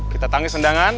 kita tangkis tendangan